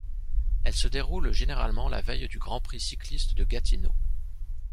Elle se déroule généralement la veille du Grand Prix cycliste de Gatineau.